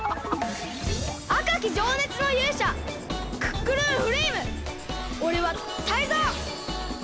あかきじょうねつのゆうしゃクックルンフレイムおれはタイゾウ！